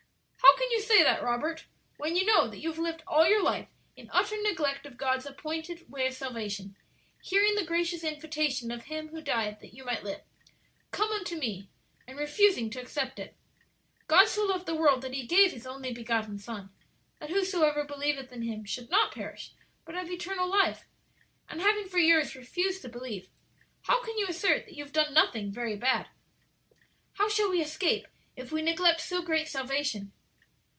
"How can you say that, Robert, when you know that you have lived all your life in utter neglect of God's appointed way of salvation? hearing the gracious invitation of Him who died that you might live, 'Come unto me,' and refusing to accept it? "'God so loved the world that He gave His only begotten Son, that whosoever believeth in Him should not perish, but have everlasting life,' and having for years refused to believe, how can you assert that you have done nothing very bad? 'How shall we escape, if we neglect so great salvation?'"